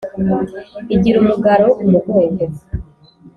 Igira umugara wo ku mugongo